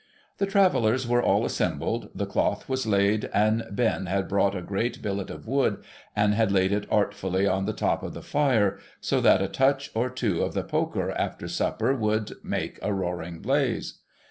The Travellers were all assembled, the cloth was laid, and Ben had brought a great billet of wood, and had laid it artfully on the 68 THE SEVEN POOR TRAVELLERS top of the fire, so that a touch or two of the poker after supper should make a roaring blaze.